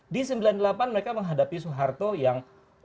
di sembilan puluh delapan mereka menghadapi soeharto yang